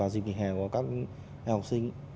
dịp nghỉ hè của các đại học sinh